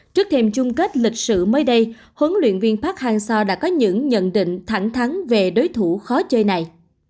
trước thêm chung kết lịch sử mới đây huấn luyện viên park hang seo đã có những nhận định thẳng thắng về đối thủ khó chơi này